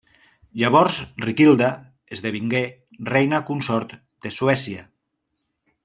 Llavors Riquilda esdevingué Reina consort de Suècia.